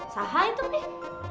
sahai tuh nih